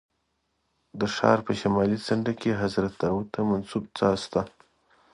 د ښار په شمالي څنډه کې حضرت داود ته منسوب څاه شته.